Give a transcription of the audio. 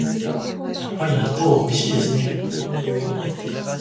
やっぱり納豆はおいしいですね